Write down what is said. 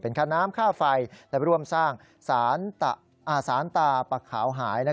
เป็นค้าน้ำข้าวไฟและร่วมสร้างศาลตาผักขาวหาย